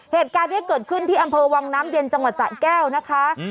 เหตุการณ์นี้เกิดขึ้นที่อำเภอวังน้ำเย็นจังหวัดสะแก้วนะคะ